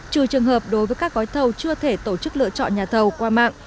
trừ trường hợp đối với các gói thầu chưa thể tổ chức lựa chọn nhà thầu qua mạng